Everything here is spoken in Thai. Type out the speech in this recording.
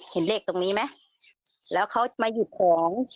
เห็นเลขตรงนี้ไหมแล้วเขามาหยิบของ